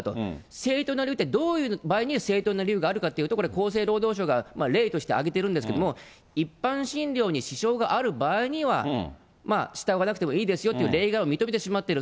正当な理由って、どういう場合に正当な理由があるかというと、これ、厚生労働省が例として挙げてるんですけど、一般診療に支障がある場合には、従わなくてもいいですよという例外を認めてしまっている。